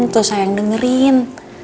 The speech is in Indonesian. tuh sayang dengerin